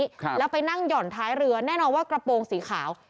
ครับแล้วไปนั่งหย่อนท้ายเรือแน่นอนว่ากระโปรงสีขาว